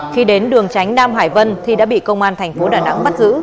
khi đến đường tránh nam hải vân thi đã bị công an tp đà nẵng bắt giữ